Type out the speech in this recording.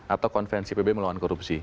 atau konvensi pb melawan korupsi